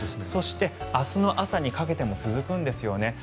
そして、明日の朝にかけても続くんですよね。